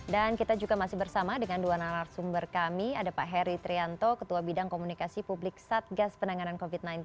dan kita juga masih bersama dengan dua narasumber kami ada pak heri trianto ketua bidang komunikasi publik satgas penanganan covid sembilan belas